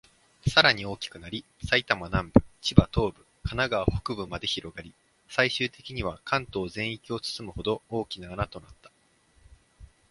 さらに大きくなり、埼玉南部、千葉東部、神奈川北部まで広がり、最終的には関東全域を包むほど、大きな穴となった。